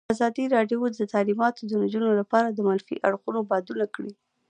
ازادي راډیو د تعلیمات د نجونو لپاره د منفي اړخونو یادونه کړې.